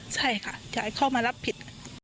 ใช่ค่ะอยากให้เข้ามารับผิด